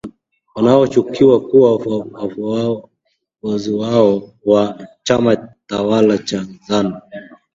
wanaoshukiwa kuwa wafuasi wa chama tawala cha zanu